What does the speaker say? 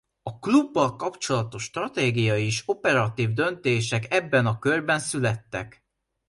A Klubbal kapcsolatos stratégiai és operatív döntések ebben a körben születtek.